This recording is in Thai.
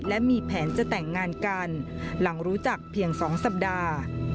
และมีแผนจะแต่งงานกันหลังรู้จักเพียง๒สัปดาห์